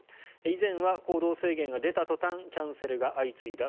以前は行動制限が出た途端キャンセルが相次いだ。